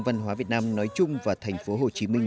văn hóa việt nam nói chung và thành phố hồ chí minh